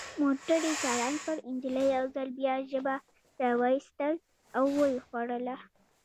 موټر یې چالان کړ، نجلۍ یو ځل بیا ژبه را وایستل او ویې ښوروله.